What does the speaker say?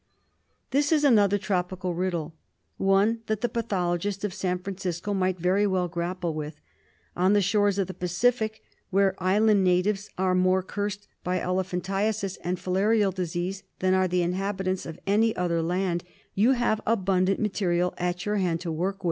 This is another tropical riddle. One that the patho logist of San Francisco might very well grapple with. On the shores of the Pacific, whose island natives are more cursed by elephantiasis and filarial disease than are the inhabitants of any other land, you have abundant material at your hand to work on.